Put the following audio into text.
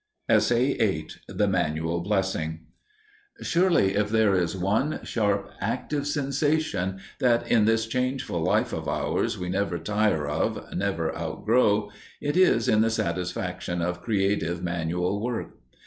*The Manual Blessing* Surely if there is one sharp, active sensation that, in this changeful life of ours, we never tire of, never outgrow, it is in the satisfaction of creative manual work.